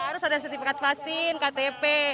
harus ada sertifikat vaksin ktp